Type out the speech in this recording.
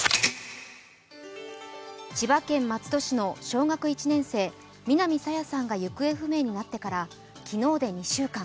千葉県松戸市の小学１年生、南朝芽さんが行方不明になってから昨日で２週間。